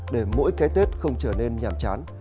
để mỗi cái tết không trở nên nhàm chán